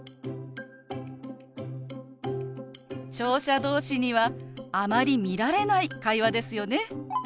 聴者同士にはあまり見られない会話ですよね。